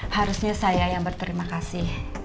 harusnya saya yang berterima kasih